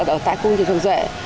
ở tại cung thị thường duệ